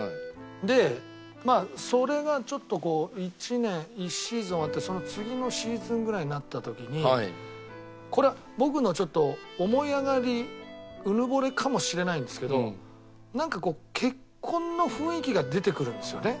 でまあそれがちょっとこう１年１シーズン終わってその次のシーズンぐらいになった時にこれは僕のちょっと思い上がりうぬぼれかもしれないんですけどなんかこう結婚の雰囲気が出てくるんですよね。